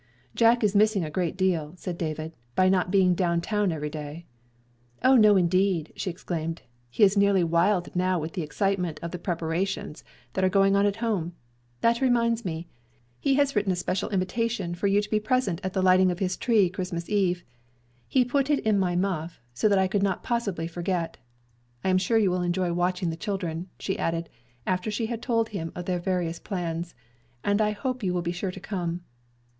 "Jack is missing a great deal," said David, "by not being down town every day." "O no, indeed!" she exclaimed. "He is nearly wild now with the excitement of the preparations that are going on at home. That reminds me, he has written a special invitation for you to be present at the lighting of his tree Christmas eve. He put it in my muff, so that I could not possibly forget. I am sure you will enjoy watching the children," she added, after she had told him of their various plans, "and I hope you will be sure to come."